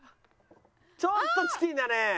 ちょっとチキンだね。